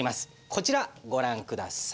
こちらご覧下さい。